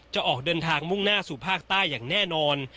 จะออกเดินทางมุ่งหน้าสู่ภาคใต้อย่างแน่นอน